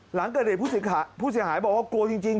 หลังเกิดเหตุผู้เสียหายบอกว่ากลัวจริง